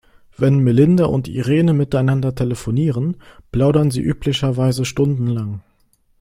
Wenn Melinda und Irene miteinander telefonieren, plaudern sie üblicherweise stundenlang.